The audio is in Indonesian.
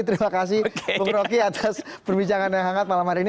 terima kasih bung roky atas perbincangan yang hangat malam hari ini